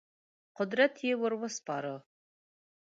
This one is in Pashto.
قدرت یې ور وسپاره.